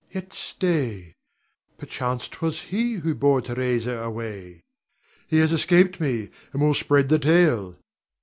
Yet, stay! perchance 'twas he who bore Theresa away. He has escaped me, and will spread the tale.